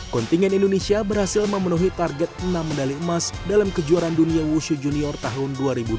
kontingen indonesia berhasil memenuhi target enam medali emas dalam kejuaraan dunia wushu junior tahun dua ribu dua puluh